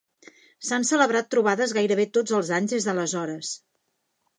S'han celebrat trobades gairebé tots els anys des d'aleshores.